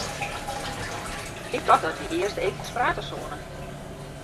Ik tocht dat wy earst eefkes prate soene.